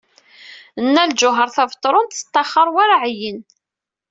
Nna Lǧuheṛ Tabetṛunt tettaxer war aɛeyyen.